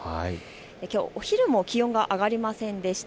きょうお昼も気温が上がりませんでした。